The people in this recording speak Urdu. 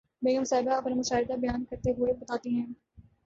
بیگم صاحبہ اپنا مشاہدہ بیان کرتے ہوئے بتاتی ہیں